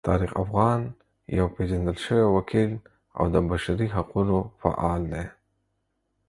طارق افغان یو پیژندل شوی وکیل او د بشري حقونو فعال دی.